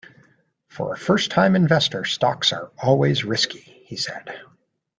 "For a first-time investor, stocks are always risky," he said.